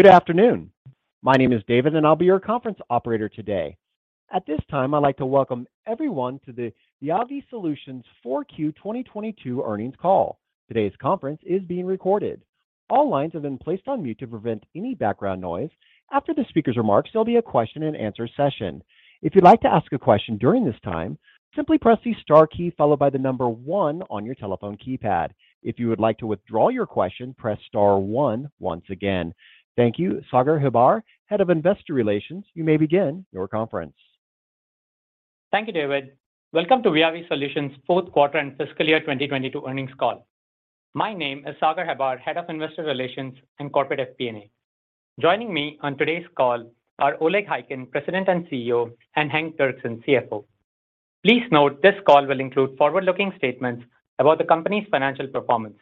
Good afternoon. My name is David, and I'll be your conference operator today. At this time, I'd like to welcome everyone to the Viavi Solutions 4Q 2022 earnings call. Today's conference is being recorded. All lines have been placed on mute to prevent any background noise. After the speaker's remarks, there'll be a question and answer session. If you'd like to ask a question during this time, simply press the star key followed by the number one on your telephone keypad. If you would like to withdraw your question, press star one once again. Thank you. Sagar Hebbar, Head of Investor Relations, you may begin your conference. Thank you, David. Welcome to Viavi Solutions Q4 and fiscal year 2022 earnings call. My name is Sagar Hebbar, Head of Investor Relations and Corporate FP&A. Joining me on today's call are Oleg Khaykin, President and CEO, and Henk Derksen, CFO. Please note this call will include forward-looking statements about the company's financial performance.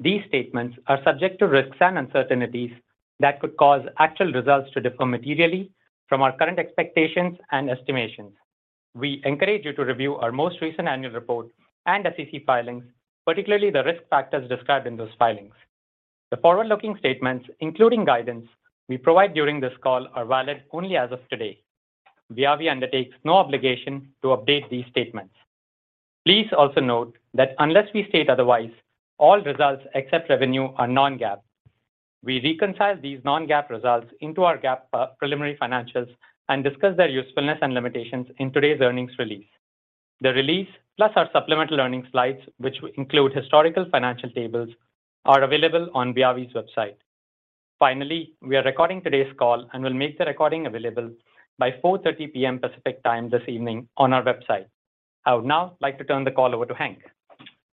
These statements are subject to risks and uncertainties that could cause actual results to differ materially from our current expectations and estimations. We encourage you to review our most recent annual report and SEC filings, particularly the risk factors described in those filings. The forward-looking statements, including guidance we provide during this call, are valid only as of today. Viavi undertakes no obligation to update these statements. Please also note that unless we state otherwise, all results except revenue are non-GAAP. We reconcile these non-GAAP results into our GAAP preliminary financials and discuss their usefulness and limitations in today's earnings release. The release, plus our supplemental earnings slides, which include historical financial tables, are available on Viavi's website. Finally, we are recording today's call and will make the recording available by 4:30 P.M. Pacific Time this evening on our website. I would now like to turn the call over to Henk.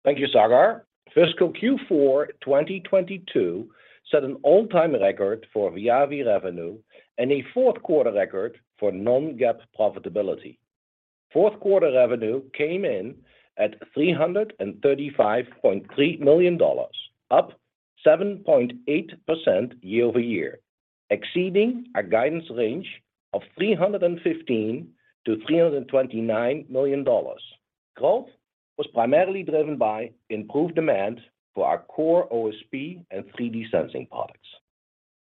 Thank you, Sagar. Fiscal Q4 2022 set an all-time record for Viavi revenue and a Q4 record for non-GAAP profitability. Fourth quarter revenue came in at $335.3 million, up 7.8% year-over-year, exceeding our guidance range of $315-$329 million. Growth was primarily driven by improved demand for our core OSP and 3D sensing products.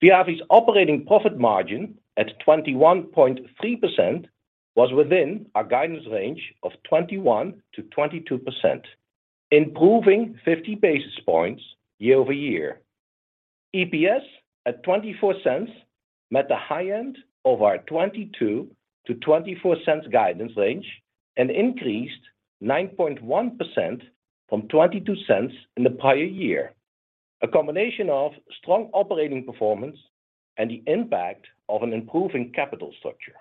Viavi's operating profit margin at 21.3% was within our guidance range of 21%-22%, improving 50 basis points year-over-year. EPS at $0.24 met the high end of our $0.22-$0.24 guidance range and increased 9.1% from $0.22 in the prior year. A combination of strong operating performance and the impact of an improving capital structure.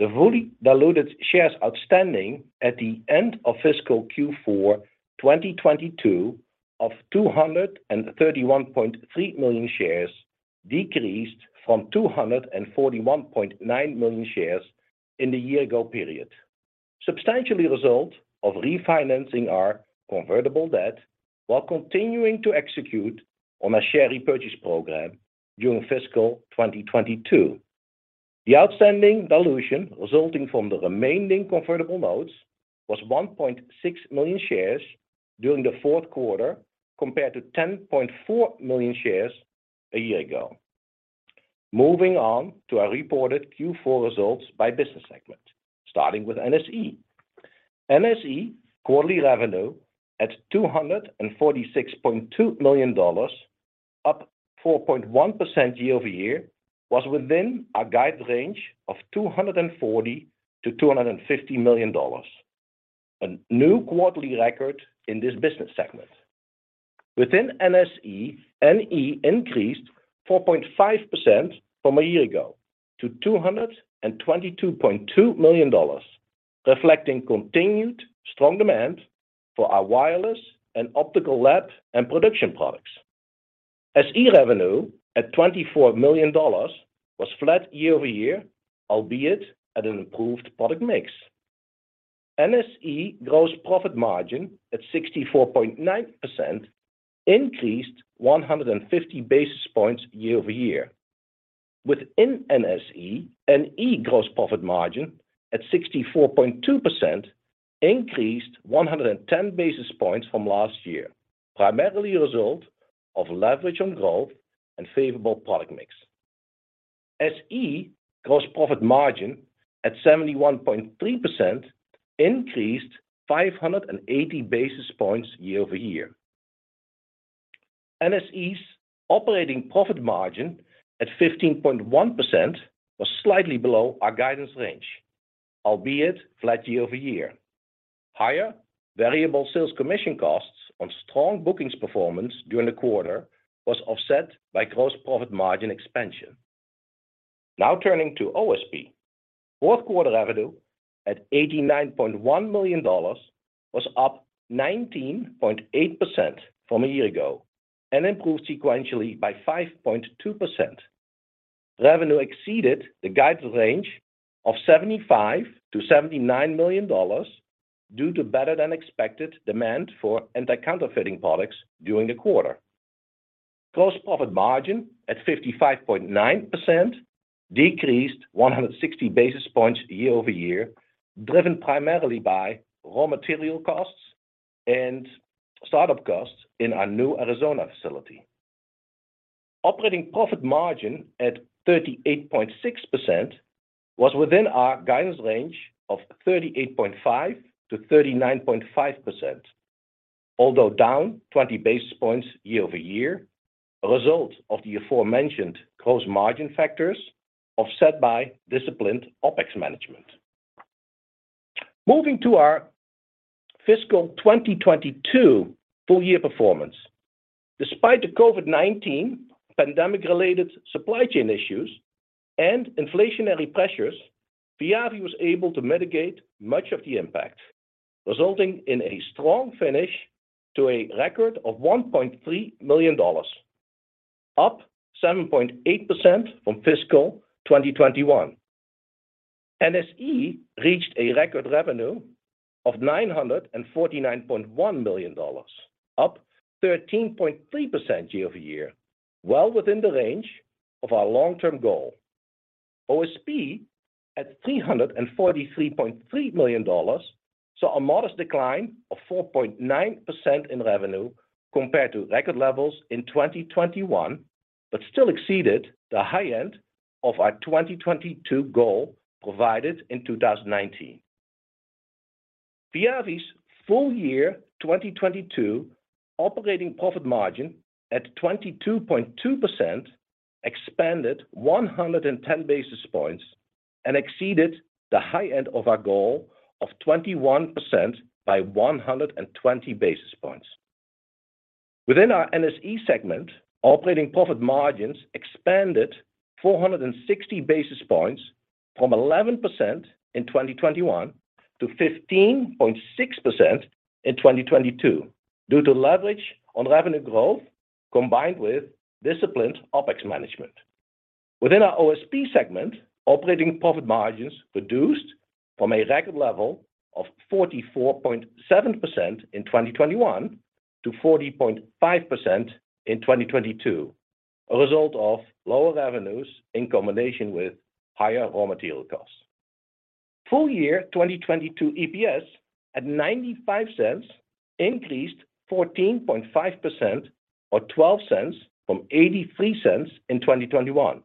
The fully diluted shares outstanding at the end of fiscal Q4 2022 of 231.3 million shares decreased from 241.9 million shares in the year-ago period. Substantially the result of refinancing our convertible debt while continuing to execute on a share repurchase program during fiscal 2022. The outstanding dilution resulting from the remaining convertible notes was 1.6 million shares during the Q4 compared to 10.4 million shares a year ago. Moving on to our reported Q4 results by business segment, starting with NSE. NSE quarterly revenue at $246.2 million, up 4.1% year-over-year, was within our guide range of $240 million-$250 million. A new quarterly record in this business segment. Within NSE, NE increased 4.5% from a year ago to $222.2 million, reflecting continued strong demand for our wireless and optical lab and production products. SE revenue at $24 million was flat year-over-year, albeit at an improved product mix. NSE gross profit margin at 64.9% increased 150 basis points year-over-year. Within NSE, NE gross profit margin at 64.2% increased 110 basis points from last year, primarily a result of leverage on growth and favorable product mix. SE gross profit margin at 71.3% increased 580 basis points year-over-year. NSE's operating profit margin at 15.1% was slightly below our guidance range, albeit flat year-over-year. Higher variable sales commission costs on strong bookings performance during the quarter was offset by gross profit margin expansion. Now turning to OSP. Fourth quarter revenue at $89.1 million was up 19.8% from a year ago and improved sequentially by 5.2%. Revenue exceeded the guidance range of $75-$79 million due to better than expected demand for anti-counterfeiting products during the quarter. Gross profit margin at 55.9% decreased 160 basis points year-over-year, driven primarily by raw material costs and startup costs in our new Arizona facility. Operating profit margin at 38.6% was within our guidance range of 38.5%-39.5%. Although down 20 basis points year-over-year, a result of the aforementioned gross margin factors offset by disciplined OpEx management. Moving to our fiscal 2022 full year performance. Despite the COVID-19 pandemic related supply chain issues and inflationary pressures, Viavi was able to mitigate much of the impact, resulting in a strong finish to a record of $1.3 million, up 7.8% from fiscal 2021. NSE reached a record revenue of $949.1 million, up 13.3% year-over-year, well within the range of our long-term goal. OSP at $343.3 million saw a modest decline of 4.9% in revenue compared to record levels in 2021, but still exceeded the high end of our 2022 goal provided in 2019. Viavi's full year 2022 operating profit margin at 22.2% expanded 110 basis points and exceeded the high end of our goal of 21% by 120 basis points. Within our NSE segment, operating profit margins expanded 460 basis points from 11% in 2021 to 15.6% in 2022 due to leverage on revenue growth combined with disciplined OpEx management. Within our OSP segment, operating profit margins reduced from a record level of 44.7% in 2021 to 40.5% in 2022, a result of lower revenues in combination with higher raw material costs. Full year 2022 EPS at $0.95 increased 14.5% or $0.12 from $0.83 in 2021,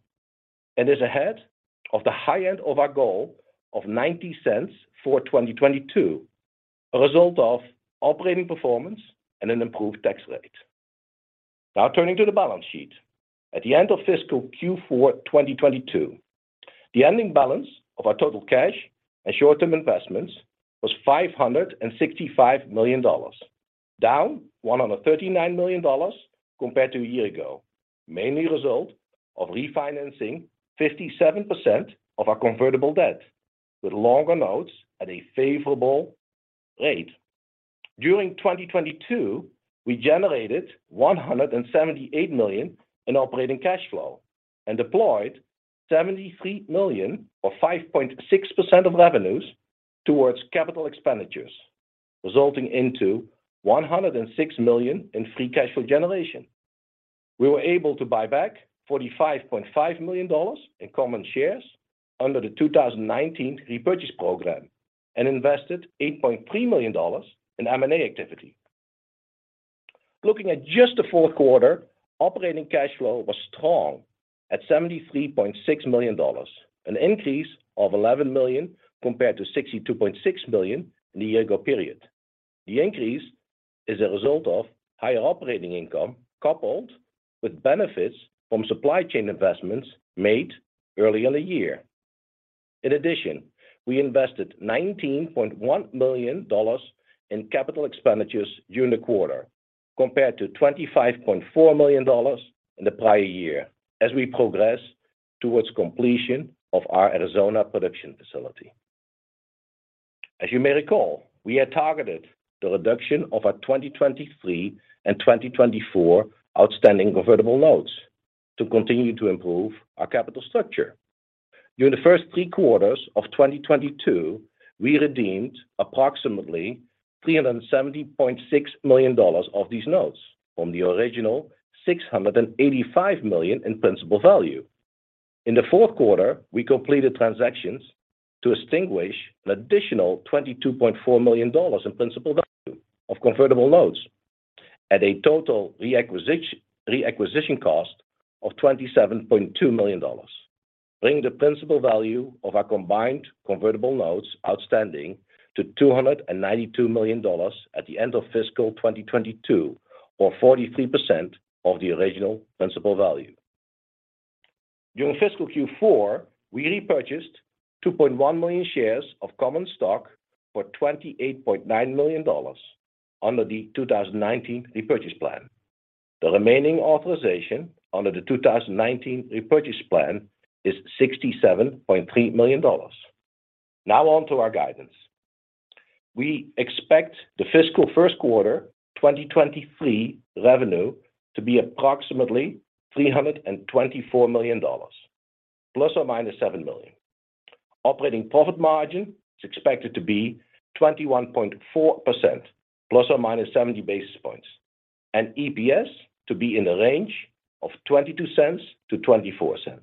and is ahead of the high end of our goal of $0.90 for 2022, a result of operating performance and an improved tax rate. Now turning to the balance sheet. At the end of fiscal Q4 2022, the ending balance of our total cash and short-term investments was $565 million, down $139 million compared to a year ago, mainly a result of refinancing 57% of our convertible debt with longer notes at a favorable rate. During 2022, we generated $178 million in operating cash flow and deployed $73 million or 5.6% of revenues towards capital expenditures, resulting in $106 million in free cash flow generation. We were able to buy back $45.5 million in common shares under the 2019 repurchase program and invested $8.3 million in M&A activity. Looking at just the Q4, operating cash flow was strong at $73.6 million, an increase of $11 million compared to $62.6 million in the year ago period. The increase is a result of higher operating income coupled with benefits from supply chain investments made early in the year. In addition, we invested $19.1 million in capital expenditures during the quarter compared to $25.4 million in the prior year as we progress towards completion of our Arizona production facility. As you may recall, we had targeted the reduction of our 2023 and 2024 outstanding convertible notes to continue to improve our capital structure. During the first three quarters of 2022, we redeemed approximately $370.6 million of these notes from the original $685 million in principal value. In the Q4, we completed transactions to extinguish an additional $22.4 million in principal value of convertible notes at a total reacquisition cost of $27.2 million, bringing the principal value of our combined convertible notes outstanding to $292 million at the end of fiscal 2022 or 43% of the original principal value. During fiscal Q4, we repurchased 2.1 million shares of common stock for $28.9 million under the 2019 repurchase plan. The remaining authorization under the 2019 repurchase plan is $67.3 million. Now on to our guidance. We expect the fiscal Q1 2023 revenue to be approximately $324 million ±$7 million. Operating profit margin is expected to be 21.4% ±70 basis points, and EPS to be in the range of $0.22-$0.24.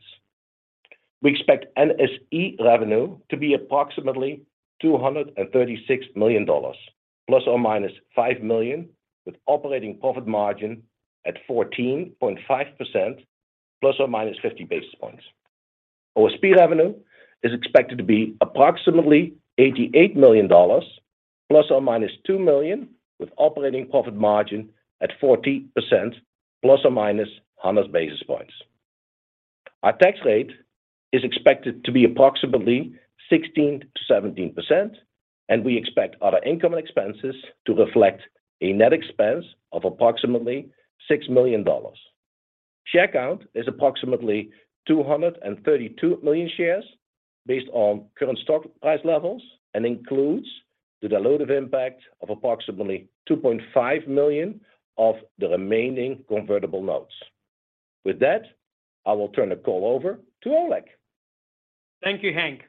We expect NSE revenue to be approximately $236 million, ±$5 million, with operating profit margin at 14.5% ±50 basis points. OSP revenue is expected to be approximately $88 million ±$2 million, with operating profit margin at 40% ±100 basis points. Our tax rate is expected to be approximately 16%-17%, and we expect other income and expenses to reflect a net expense of approximately $6 million. Share count is approximately 232 million shares based on current stock price levels, and includes the dilutive impact of approximately 2.5 million of the remaining convertible notes. With that, I will turn the call over to Oleg. Thank you, Henk.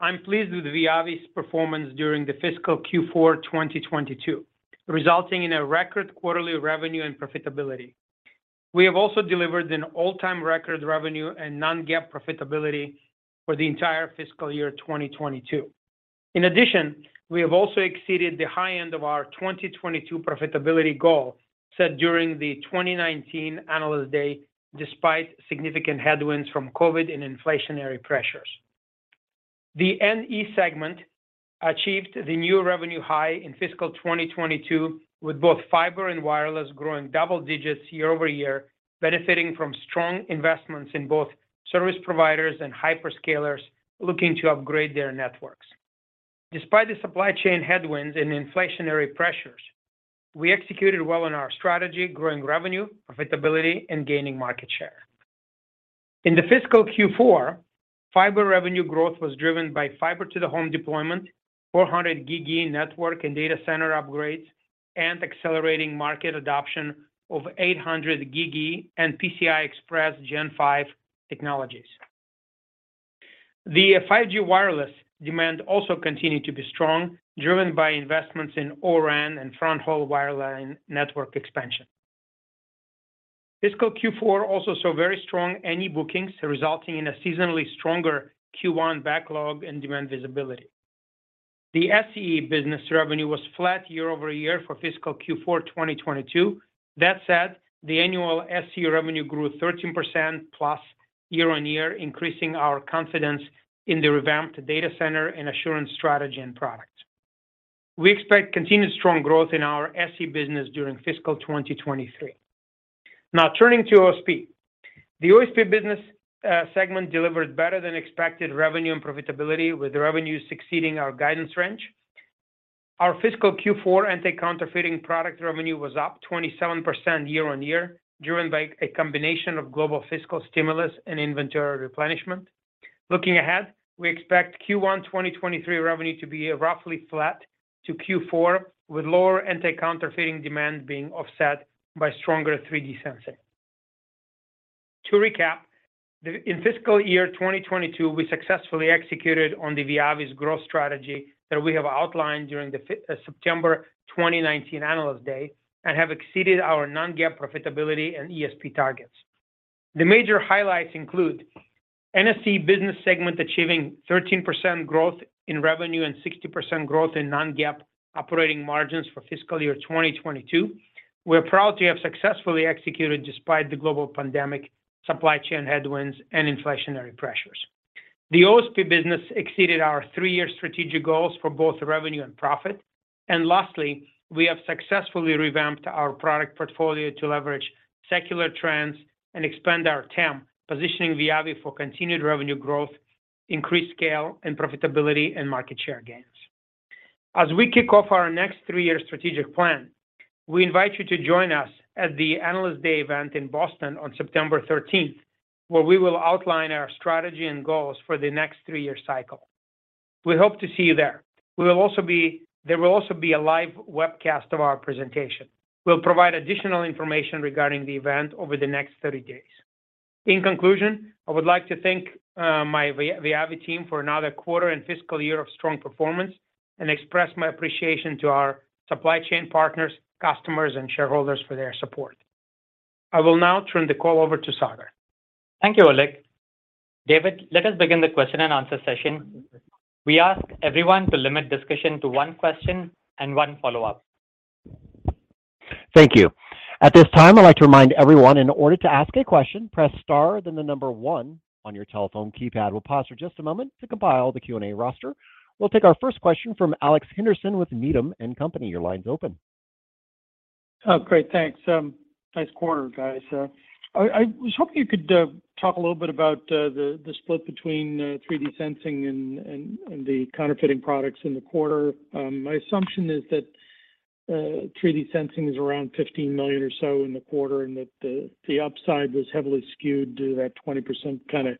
I'm pleased with Viavi's performance during the fiscal Q4 2022, resulting in a record quarterly revenue and profitability. We have also delivered an all-time record revenue and non-GAAP profitability for the entire fiscal year 2022. In addition, we have also exceeded the high end of our 2022 profitability goal set during the 2019 Analyst Day, despite significant headwinds from COVID and inflationary pressures. The NE segment achieved the new revenue high in fiscal 2022, with both fiber and wireless growing double digits year-over-year, benefiting from strong investments in both service providers and hyperscalers looking to upgrade their networks. Despite the supply chain headwinds and inflationary pressures, we executed well on our strategy, growing revenue, profitability, and gaining market share. In the fiscal Q4, fiber revenue growth was driven by fiber to the home deployment, 400G network and data center upgrades, and accelerating market adoption of 800G and PCIe 5.0 technologies. The 5G wireless demand also continued to be strong, driven by investments in O-RAN and fronthaul wireline network expansion. Fiscal Q4 also saw very strong NEM bookings, resulting in a seasonally stronger Q1 backlog and demand visibility. The SE business revenue was flat year-over-year for fiscal Q4 2022. That said, the annual SE revenue grew 13%+ year-over-year, increasing our confidence in the revamped data center and assurance strategy and product. We expect continued strong growth in our SE business during fiscal 2023. Now turning to OSP. The OSP business segment delivered better than expected revenue and profitability, with revenue exceeding our guidance range. Our fiscal Q4 anti-counterfeiting product revenue was up 27% year-on-year, driven by a combination of global fiscal stimulus and inventory replenishment. Looking ahead, we expect Q1 2023 revenue to be roughly flat to Q4, with lower anti-counterfeiting demand being offset by stronger 3D sensing. To recap, in fiscal year 2022, we successfully executed on Viavi's growth strategy that we have outlined during September 2019 Analyst Day and have exceeded our non-GAAP profitability and EPS targets. The major highlights include NSE business segment achieving 13% growth in revenue and 60% growth in non-GAAP operating margins for fiscal year 2022. We're proud to have successfully executed despite the global pandemic, supply chain headwinds, and inflationary pressures. The OSP business exceeded our three-year strategic goals for both revenue and profit. Lastly, we have successfully revamped our product portfolio to leverage secular trends and expand our TAM, positioning Viavi for continued revenue growth, increased scale and profitability, and market share gains. As we kick off our next three-year strategic plan, we invite you to join us at the Analyst Day event in Boston on September thirteenth, where we will outline our strategy and goals for the next three-year cycle. We hope to see you there. There will also be a live webcast of our presentation. We'll provide additional information regarding the event over the next 30 days. In conclusion, I would like to thank my Viavi team for another quarter and fiscal year of strong performance and express my appreciation to our supply chain partners, customers, and shareholders for their support. I will now turn the call over to Sagar. Thank you, Oleg. David, let us begin the question and answer session. We ask everyone to limit discussion to one question and one follow-up. Thank you. At this time, I'd like to remind everyone in order to ask a question, press star then the number one on your telephone keypad. We'll pause for just a moment to compile the Q&A roster. We'll take our first question from Alex Henderson with Needham & Company. Your line's open. Oh, great, thanks. Nice quarter, guys. I was hoping you could talk a little bit about the split between 3D sensing and the counterfeiting products in the quarter. My assumption is that 3D sensing is around $15 million or so in the quarter, and that the upside was heavily skewed to that 20% kinda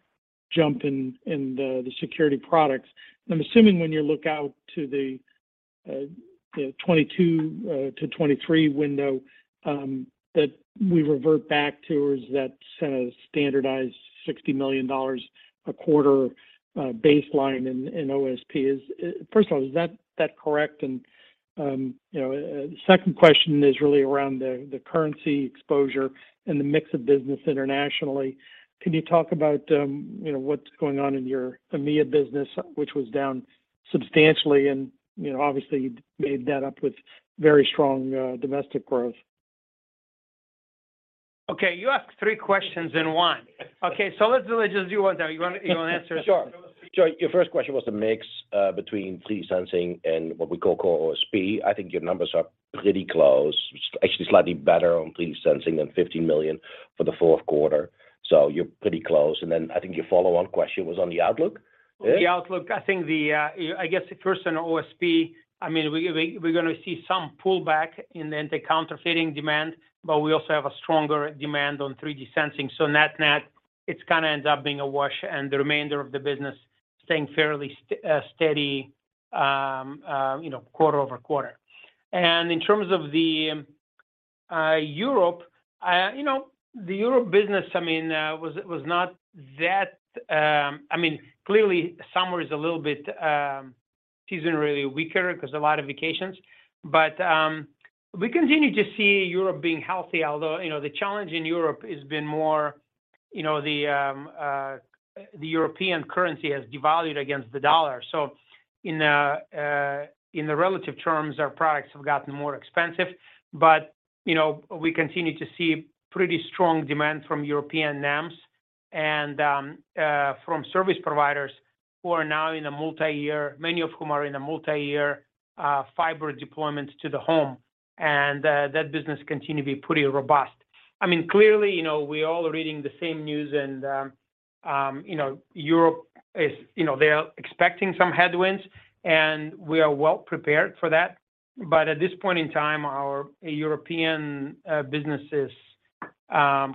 jump in the security products. I'm assuming when you look out to the 2022 to 2023 window, that we revert back to is that set of standardized $60 million a quarter baseline in OSP. First of all, is that correct? You know, second question is really around the currency exposure and the mix of business internationally. Can you talk about, you know, what's going on in your EMEA business, which was down substantially and, you know, obviously you made that up with very strong, domestic growth? Okay, you asked three questions in one. Okay. Let's really just do one. Now, you wanna answer- Sure. Your first question was the mix between 3D sensing and what we call core OSP. I think your numbers are pretty close, actually slightly better on 3D sensing than $50 million for the Q4, so you're pretty close. Then I think your follow-on question was on the outlook. Yeah? The outlook, I think, you know, I guess first on OSP, I mean, we're going to see some pullback in the anti-counterfeiting demand, but we also have a stronger demand on 3D sensing. Net-net, it's kinda ends up being a wash and the remainder of the business staying fairly steady, you know, quarter over quarter. In terms of Europe, you know, the Europe business, I mean, was not that. I mean, clearly summer is a little bit seasonally weaker 'cause a lot of vacations. We continue to see Europe being healthy, although, you know, the challenge in Europe has been more, you know, the European currency has devalued against the dollar. In the relative terms, our products have gotten more expensive. You know, we continue to see pretty strong demand from European NEMs and from service providers, many of whom are in a multi-year fiber to the home deployment, and that business continue to be pretty robust. I mean, clearly, you know, we're all reading the same news and you know, Europe is, you know, they are expecting some headwinds, and we are well prepared for that. At this point in time, our European business is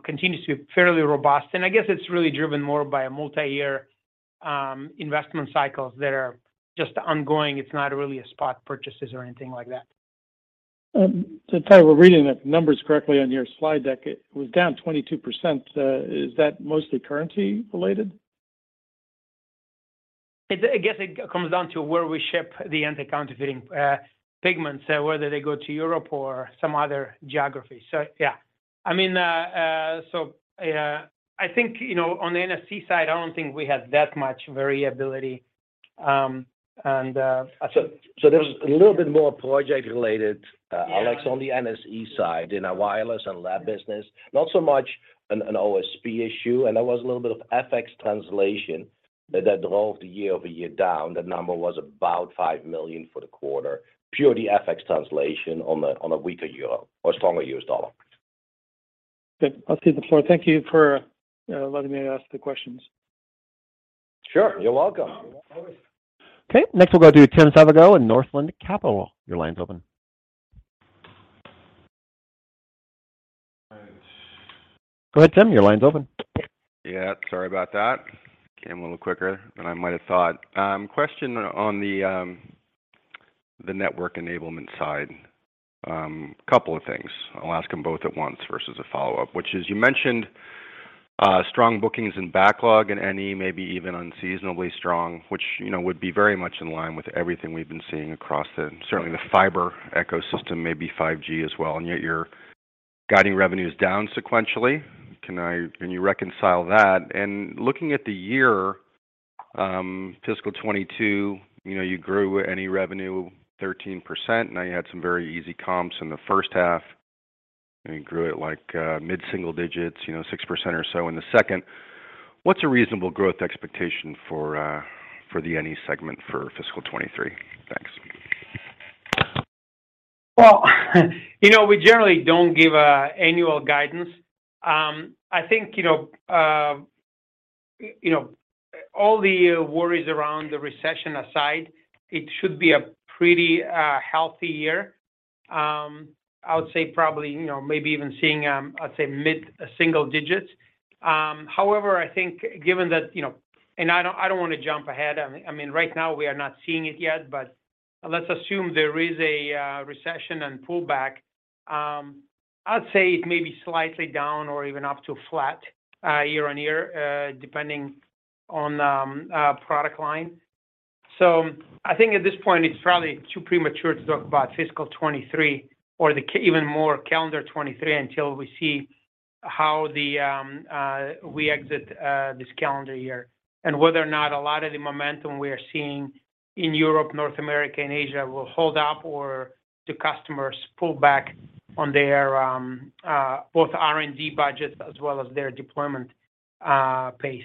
continues to be fairly robust. I guess it's really driven more by a multi-year investment cycles that are just ongoing. It's not really spot purchases or anything like that. Oleg Khaykin, we're reading the numbers correctly on your slide deck. It was down 22%. Is that mostly currency related? I guess it comes down to where we ship the anti-counterfeiting pigments, whether they go to Europe or some other geography. So yeah. I mean, so, I think, you know, on the NSE side, I don't think we have that much variability, and there's a little bit more project related. Yeah... Alex, on the NSE side in our wireless and lab business, not so much an OSP issue. There was a little bit of FX translation that drove the year-over-year down. That number was about $5 million for the quarter, purely FX translation on a weaker euro or stronger US dollar. Good. I'll cede the floor. Thank you for letting me ask the questions. Sure. You're welcome. You're welcome. Always. Okay. Next we'll go to Tim Savageaux in Northland Capital Markets. Your line's open. Go ahead, Tim. Your line's open. Yeah, sorry about that. Came a little quicker than I might have thought. Question on the network enablement side. A couple of things. I'll ask them both at once versus a follow-up, which is, you mentioned strong bookings and backlog in NE, maybe even unseasonably strong, which, you know, would be very much in line with everything we've been seeing across, certainly the fiber ecosystem, maybe 5G as well. And yet your guidance revenue is down sequentially. Can you reconcile that? Looking at the year, fiscal 2022, you know, you grew NE revenue 13%. Now you had some very easy comps in the first half, and you grew it like mid-single digits, you know, 6% or so in the second. What's a reasonable growth expectation for the NE segment for fiscal 2023? Thanks. Well, you know, we generally don't give annual guidance. I think, you know, all the worries around the recession aside, it should be a pretty healthy year. I would say probably, you know, maybe even seeing, I'd say mid-single digits%. However, I think given that, you know, I don't wanna jump ahead. I mean, right now we are not seeing it yet, but let's assume there is a recession and pullback. I'd say it may be slightly down or even up to flat year-over-year, depending on product line. I think at this point it's probably too premature to talk about fiscal 2023 or even more calendar 2023 until we see how we exit this calendar year and whether or not a lot of the momentum we are seeing in Europe, North America and Asia will hold up or do customers pull back on their both R&D budgets as well as their deployment pace.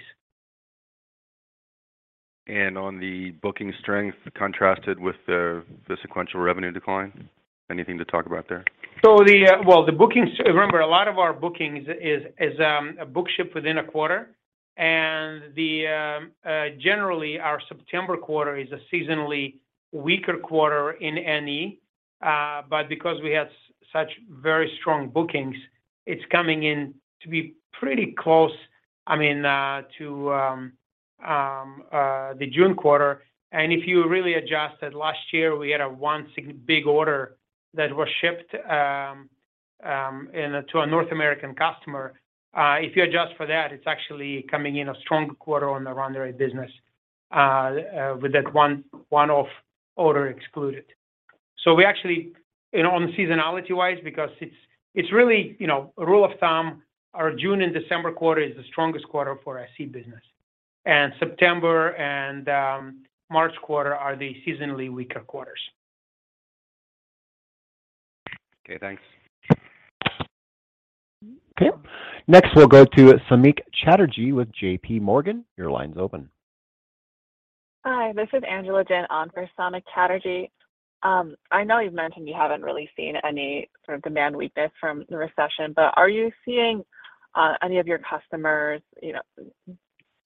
On the booking strength contrasted with the sequential revenue decline, anything to talk about there? The bookings. Remember, a lot of our bookings is a book-and-ship within a quarter. Generally our September quarter is a seasonally weaker quarter in NE, but because we had such very strong bookings, it's coming in to be pretty close, I mean, to the June quarter. If you really adjust it, last year we had a big order that was shipped to a North American customer. If you adjust for that, it's actually coming in a stronger quarter on the run rate business with that one-off order excluded. We actually, you know, on seasonality-wise, because it's really, you know, a rule of thumb, our June and December quarter is the strongest quarter for NE business. and March quarter are the seasonally weaker quarters. Okay, thanks. Okay. Next we'll go to Samik Chatterjee with J.P. Morgan. Your line's open. Hi, this is Angela Jin on for Samik Chatterjee. I know you've mentioned you haven't really seen any sort of demand weakness from the recession, but are you seeing any of your customers, you know,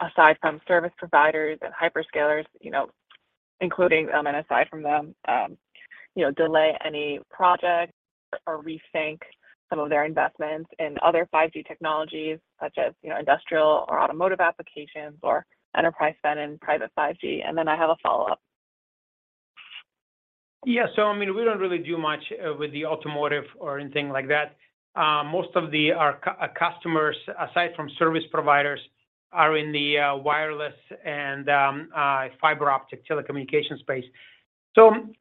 aside from service providers and hyperscalers, you know, including them and aside from them, you know, delay any projects or rethink some of their investments in other 5G technologies such as, you know, industrial or automotive applications or enterprise spend in private 5G? Then I have a follow-up. Yeah. I mean, we don't really do much with the automotive or anything like that. Most of our customers, aside from service providers, are in the wireless and fiber optic telecommunication space.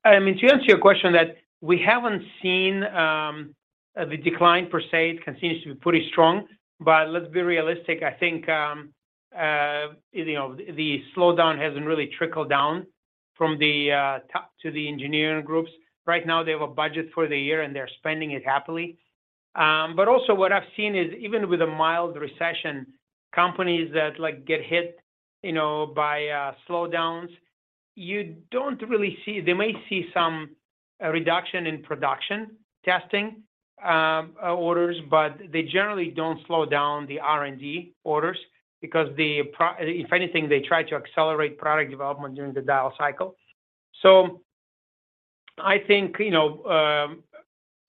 I mean, to answer your question that we haven't seen the decline per se continues to be pretty strong. Let's be realistic, I think you know, the slowdown hasn't really trickled down from the top to the engineering groups. Right now, they have a budget for the year, and they're spending it happily. Also what I've seen is even with a mild recession, companies that like get hit, you know, by slowdowns, you don't really see. They may see some reduction in production testing orders, but they generally don't slow down the R&D orders because the pro... If anything, they try to accelerate product development during the dial cycle. I think, you know,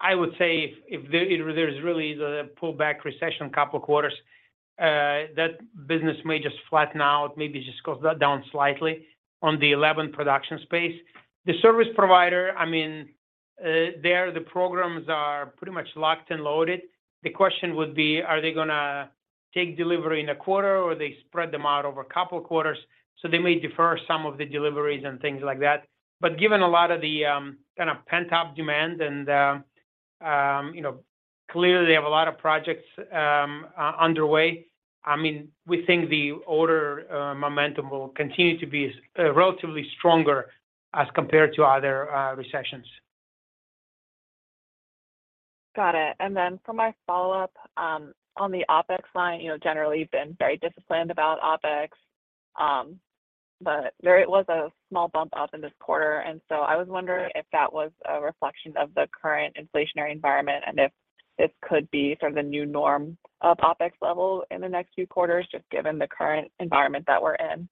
I would say if there's really the pullback recession couple quarters, that business may just flatten out, maybe just goes down slightly on the eleven production space. The service provider, I mean, the programs are pretty much locked and loaded. The question would be, are they going to take delivery in a quarter or they spread them out over a couple quarters? They may defer some of the deliveries and things like that. Given a lot of the kind of pent-up demand and, you know, clearly they have a lot of projects underway. I mean, we think the order momentum will continue to be relatively stronger as compared to other recessions. Got it. For my follow-up, on the OpEx line, you know, generally you've been very disciplined about OpEx, but there it was a small bump up in this quarter, and so I was wondering if that was a reflection of the current inflationary environment, and if this could be sort of the new norm of OpEx level in the next few quarters, just given the current environment that we're in.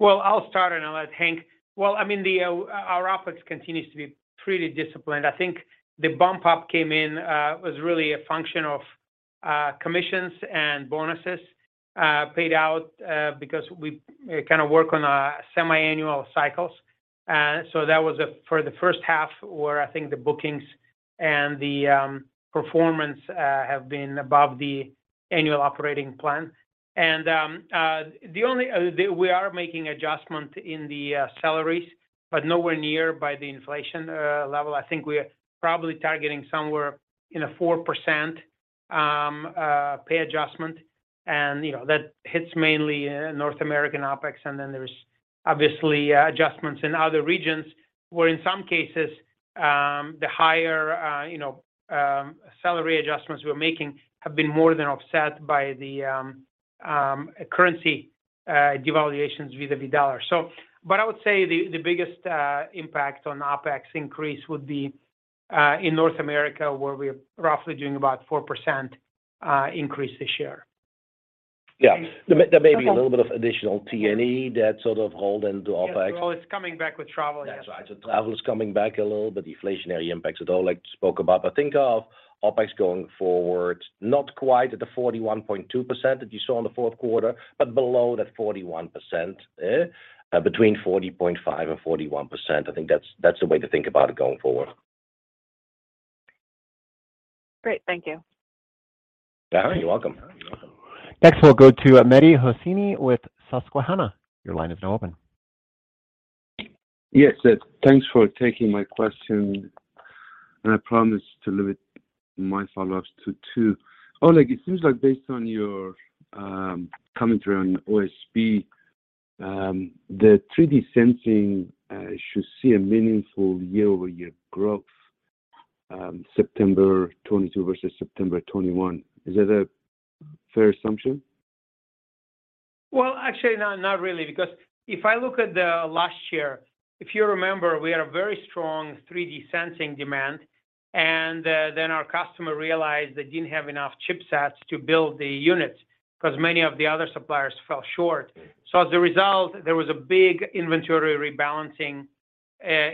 Well, I mean, our OpEx continues to be pretty disciplined. I think the bump up was really a function of commissions and bonuses paid out because we kind of work on a semiannual cycles. So that was for the first half where I think the bookings and the performance have been above the annual operating plan. We are making adjustment in the salaries, but nowhere near the inflation level. I think we're probably targeting somewhere in a 4% pay adjustment. You know, that hits mainly North American OpEx, and then there's obviously adjustments in other regions, where in some cases the higher you know salary adjustments we're making have been more than offset by the currency devaluations vis-à-vis the US dollar. But I would say the biggest impact on OpEx increase would be in North America, where we're roughly doing about 4% increase this year. Yeah. There may be a little bit of additional T&E that sort of roll into OpEx. Yes. Well, it's coming back with travel. Yes. That's right. Travel is coming back a little, but the inflationary impacts that Oleg spoke about. Think of OpEx going forward, not quite at the 41.2% that you saw in the Q4, but below that 41%, between 40.5% and 41%. I think that's the way to think about it going forward. Great. Thank you. Yeah. You're welcome. Next, we'll go to Mehdi Hosseini with Susquehanna. Your line is now open. Yes. Thanks for taking my question, and I promise to limit my follow-ups to two. Oleg, it seems like based on your commentary on OSP, the 3D sensing should see a meaningful year-over-year growth, September 2022 versus September 2021. Is that a fair assumption? Well, actually not really, because if I look at the last year, if you remember, we had a very strong 3D sensing demand, and then our customer realized they didn't have enough chipsets to build the units because many of the other suppliers fell short. As a result, there was a big inventory rebalancing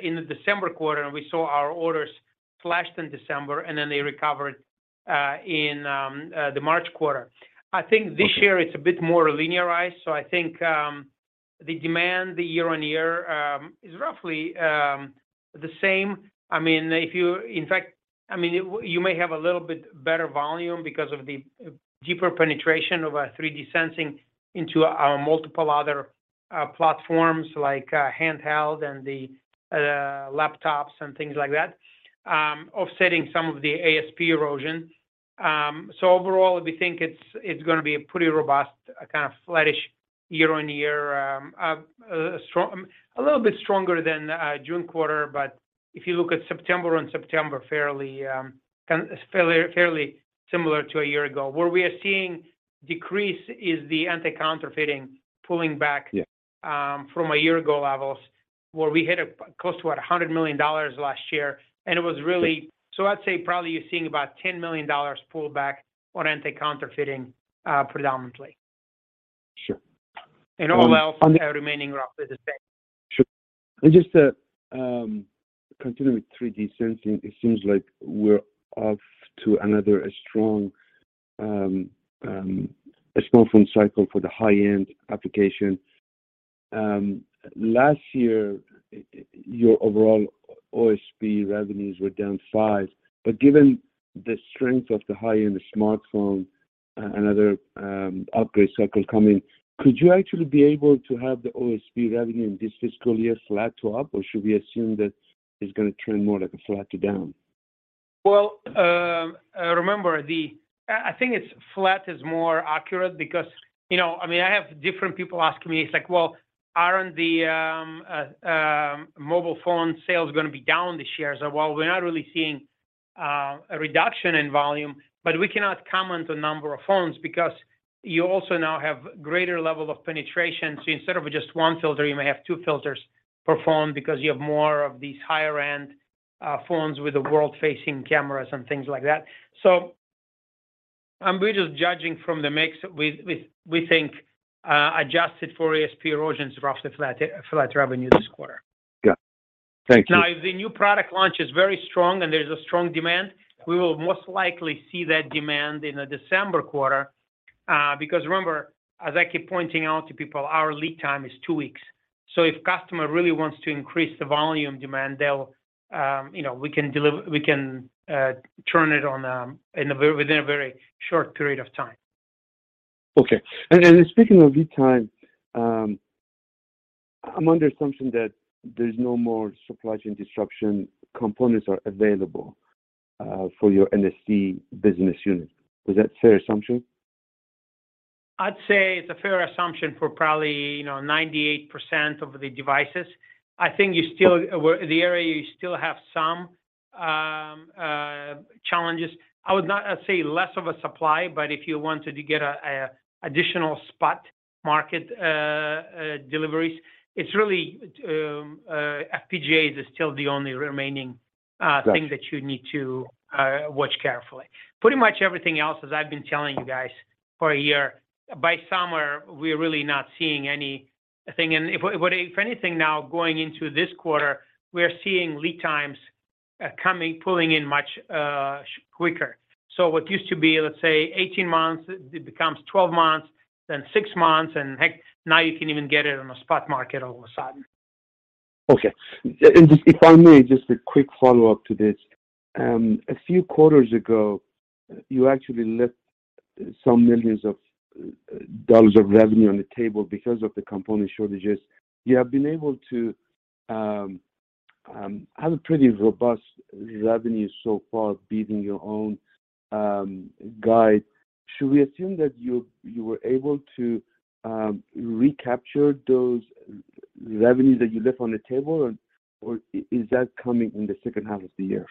in the December quarter, and we saw our orders slashed in December, and then they recovered in the March quarter. I think this year it's a bit more linearized. I think the demand, the year-on-year, is roughly the same. I mean, in fact, I mean, you may have a little bit better volume because of the deeper penetration of our 3D sensing into our multiple other platforms like handheld and the laptops and things like that, offsetting some of the ASP erosion. So overall, we think it's gonna be a pretty robust, a kind of flattish year-on-year, strong, a little bit stronger than June quarter. But if you look at September on September, fairly similar to a year ago. Where we are seeing decrease is the anti-counterfeiting pulling back. Yeah. From a year ago levels, where we hit close to $100 million last year, and it was really. Yeah. I'd say probably you're seeing about $10 million pull back on anti-counterfeiting, predominantly. Sure. All else remaining roughly the same. Sure. Just to continue with 3D sensing, it seems like we're off to another strong smartphone cycle for the high-end application. Last year, your overall OSP revenues were down 5%. But given the strength of the high-end smartphone and other upgrade cycles coming, could you actually be able to have the OSP revenue in this fiscal year flat to up, or should we assume that it's going to trend more like a flat to down? Well, remember the I think it's flat is more accurate because, you know, I mean, I have different people asking me, it's like, "Well, aren't the mobile phone sales going to be down this year?" I said, "Well, we're not really seeing a reduction in volume, but we cannot comment on number of phones because you also now have greater level of penetration. So instead of just one filter, you may have two filters per phone because you have more of these higher-end phones with the world-facing cameras and things like that." So I'm really just judging from the mix with we think adjusted for ASP erosions, roughly flat revenue this quarter. Got it. Thank you. Now, if the new product launch is very strong and there's a strong demand, we will most likely see that demand in the December quarter. Because remember, as I keep pointing out to people, our lead time is two weeks. If customer really wants to increase the volume demand, they'll, you know, we can turn it on within a very short period of time. Okay. Speaking of lead time, I'm under assumption that there's no more supply chain disruption, components are available, for your NE business unit. Is that fair assumption? I'd say it's a fair assumption for probably, you know, 98% of the devices. I think in the area you still have some challenges. I would not say less of a supply, but if you wanted to get a additional spot market deliveries, it's really FPGAs is still the only remaining. Got it. Thing that you need to watch carefully. Pretty much everything else, as I've been telling you guys for a year, by summer, we're really not seeing anything. If anything now going into this quarter, we're seeing lead times coming, pulling in much quicker. What used to be, let's say, 18 months, it becomes 12 months, then 6 months, and heck, now you can even get it on a spot market all of a sudden. Okay. Just if I may, just a quick follow-up to this. A few quarters ago, you actually left some millions of dollars of revenue on the table because of the component shortages. You have been able to have a pretty robust revenue so far, beating your own guide. Should we assume that you were able to recapture those revenues that you left on the table or is that coming in the second half of the year?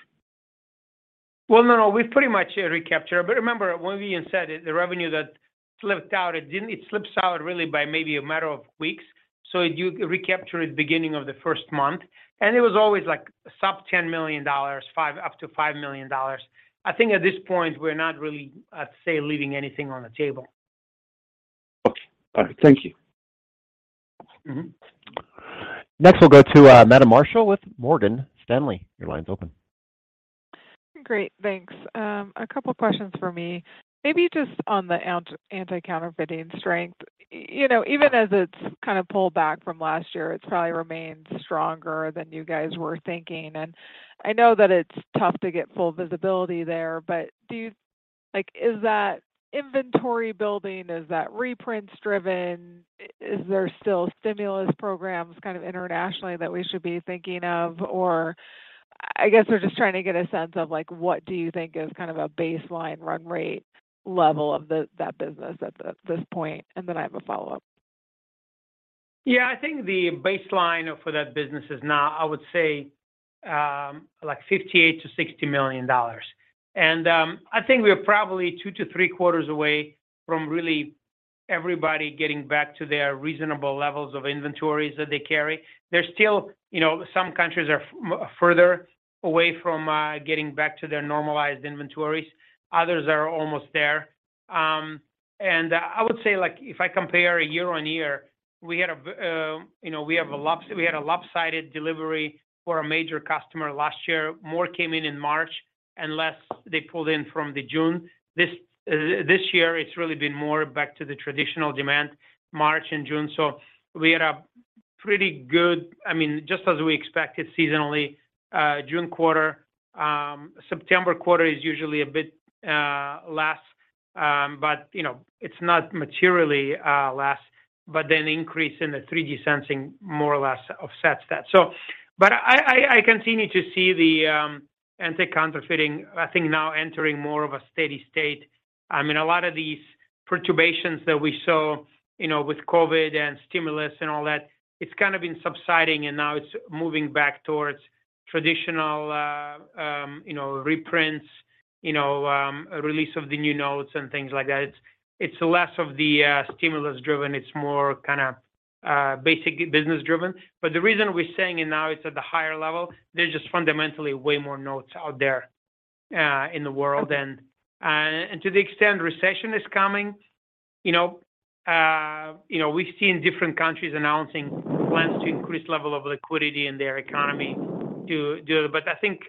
Well, no, we've pretty much recaptured. Remember, when we said it, the revenue that slipped out, it slips out really by maybe a matter of weeks. You recapture it beginning of the first month. It was always like sub-$10 million, up to $5 million. I think at this point we're not really, I'd say, leaving anything on the table. Okay. All right. Thank you. Mm-hmm. Next, we'll go to Meta Marshall with Morgan Stanley. Your line's open. Great. Thanks. A couple questions for me. Maybe just on the anti-counterfeiting strength. You know, even as it's kind of pulled back from last year, it's probably remained stronger than you guys were thinking. I know that it's tough to get full visibility there, but do you like, is that inventory building? Is that reprints driven? Is there still stimulus programs kind of internationally that we should be thinking of? Or I guess we're just trying to get a sense of, like, what do you think is kind of a baseline run rate level of that business at that this point. Then I have a follow-up. Yeah. I think the baseline for that business is now, I would say, like $58-$60 million. I think we're probably two to three quarters away from really everybody getting back to their reasonable levels of inventories that they carry. There's still, you know, some countries are further away from getting back to their normalized inventories, others are almost there. I would say, like, if I compare year-on-year, we had a lopsided delivery for a major customer last year. More came in in March, and less they pulled in from the June. This year, it's really been more back to the traditional demand, March and June. We had a pretty good, I mean, just as we expected seasonally, June quarter. September quarter is usually a bit less, but you know, it's not materially less, but then increase in the 3D sensing more or less offsets that. I continue to see the anti-counterfeiting, I think now entering more of a steady state. I mean, a lot of these perturbations that we saw, you know, with COVID and stimulus and all that, it's kind of been subsiding, and now it's moving back towards traditional, you know, reprints, you know, release of the new notes and things like that. It's less of the stimulus-driven, it's more kinda basic business-driven. The reason we're saying it now, it's at the higher level, there's just fundamentally way more notes out there in the world. To the extent recession is coming, you know, you know, we've seen different countries announcing plans to increase level of liquidity in their economy to. I think,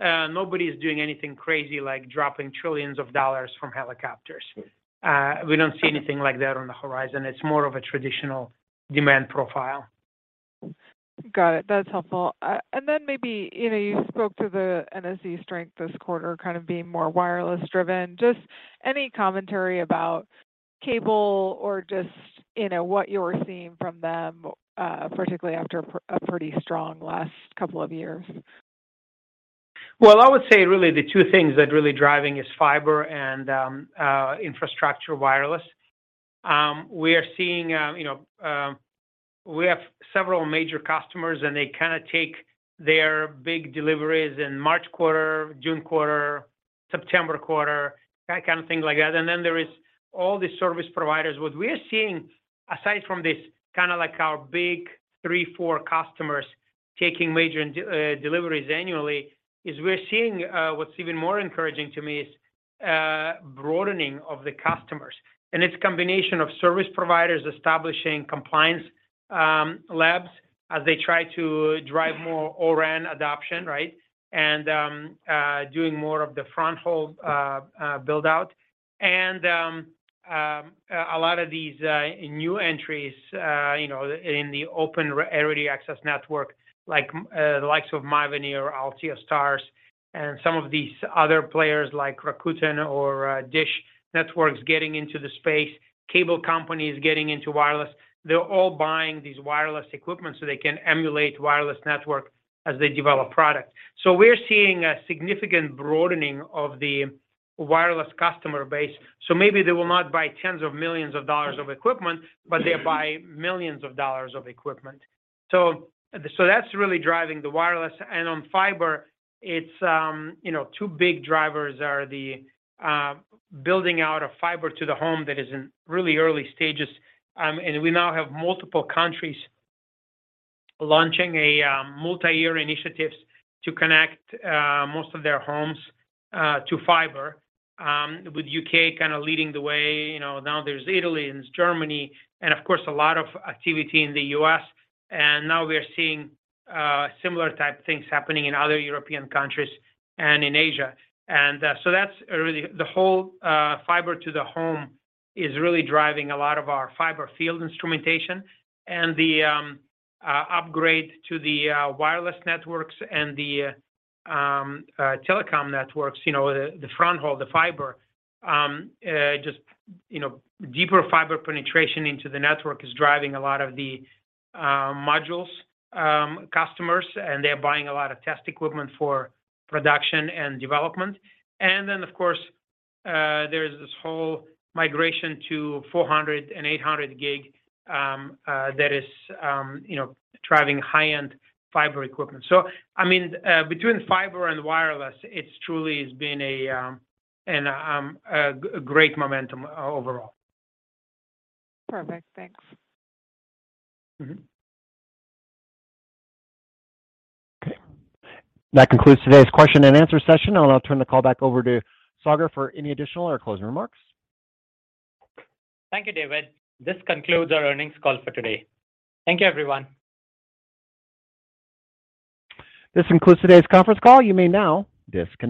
nobody is doing anything crazy like dropping trillions of dollars from helicopters. We don't see anything like that on the horizon. It's more of a traditional demand profile. Got it. That's helpful. Maybe, you know, you spoke to the NSE strength this quarter kind of being more wireless-driven. Just any commentary about cable or just, you know, what you're seeing from them, particularly after a pretty strong last couple of years. Well, I would say really the two things that really driving is fiber and infrastructure wireless. We are seeing, you know, we have several major customers, and they kinda take their big deliveries in March quarter, June quarter, September quarter, that kind of thing like that. There is all the service providers. What we are seeing, aside from this kinda like our big three, four customers taking major deliveries annually, is what's even more encouraging to me is broadening of the customers. It's a combination of service providers establishing compliance labs as they try to drive more O-RAN adoption, right? Doing more of the fronthaul build out. A lot of these new entries, you know, in the Open Radio Access Network, like the likes of Mavenir or Altiostar, and some of these other players like Rakuten or DISH Network getting into the space, cable companies getting into wireless, they're all buying these wireless equipment so they can emulate wireless network as they develop product. We're seeing a significant broadening of the wireless customer base. Maybe they will not buy tens of millions of dollars of equipment, but they buy millions of dollars of equipment. That's really driving the wireless. On fiber, it's you know two big drivers are the building out of fiber to the home that is in really early stages. We now have multiple countries launching multiyear initiatives to connect most of their homes to fiber with the U.K. kinda leading the way. You know, now there's Italy and there's Germany, and of course, a lot of activity in the U.S. Now we are seeing similar type things happening in other European countries and in Asia. That's really the whole fiber to the home driving a lot of our fiber field instrumentation and the upgrade to the wireless networks and the telecom networks, you know, the fronthaul, the fiber. Just, you know, deeper fiber penetration into the network is driving a lot of the modules customers, and they're buying a lot of test equipment for production and development. Of course, there's this whole migration to 400G and 800G that is, you know, driving high-end fiber equipment. I mean, between fiber and wireless, it's truly has been a great momentum overall. Perfect. Thanks. Mm-hmm. Okay. That concludes today's question and answer session, and I'll turn the call back over to Sagar for any additional or closing remarks. Thank you, David. This concludes our earnings call for today. Thank you, everyone. This concludes today's conference call. You may now disconnect.